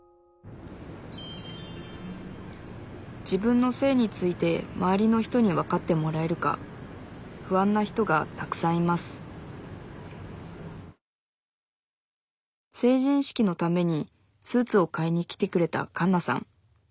自分の性について周りの人にわかってもらえるか不安な人がたくさんいます成人式のためにスーツを買いに来てくれたカンナさん。